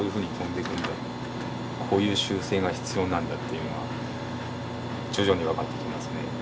こういう修正が必要なんだっていうのは徐々に分かってきますね。